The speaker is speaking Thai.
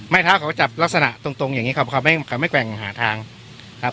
ไม้เท้าเขาจับลักษณะตรงตรงอย่างนี้ครับเขาไม่เขาไม่แกว่งหาทางครับ